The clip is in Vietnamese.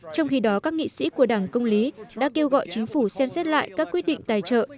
trong khi đó các nghị sĩ của đảng công lý đã kêu gọi chính phủ xem xét lại các quyết định tài trợ